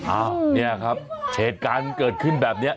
อ้าวเนี่ยครับเหตุการณ์มันเกิดขึ้นแบบนี้